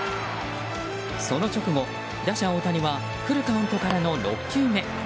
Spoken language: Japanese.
その直後、打者・大谷はフルカウントからの６球目。